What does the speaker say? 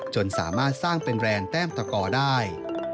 จนสามารถสร้างเป็นแรงแต้มตะกอได้